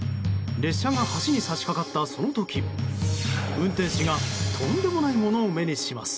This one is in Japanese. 列車が橋に差しかかったその時運転士がとんでもないものを目にします。